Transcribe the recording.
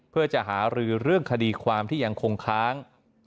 เพื่อจะหารือเรื่องคดีความที่ยังคงค้าง